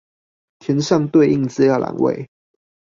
填上對應資料欄位